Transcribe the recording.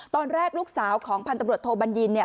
ตอนแรกลูกสาวของพันธุ์ตำรวจโทบัญญินเนี่ย